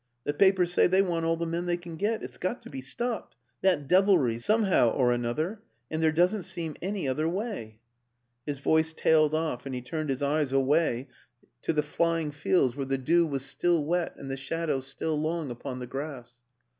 The papers say they want all the men they can get ... it's got to be stopped that devilry somehow or another ... and there doesn't seem any other way. ..." His voice tailed off and he turned his eyes away 204 WILLIAM AN ENGLISHMAN to the flying fields where the dew was still wet and the shadows still long upon the grass.